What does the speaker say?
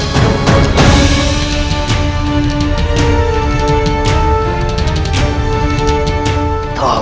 tidak ada apa apa